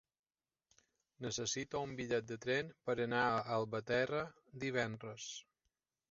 Necessito un bitllet de tren per anar a Albatera divendres.